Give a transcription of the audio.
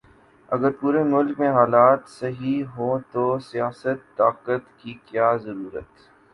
اگر پورے ملک میں حالات صحیح ھوں تو سیاست، طاقت، کی کیا ضرورت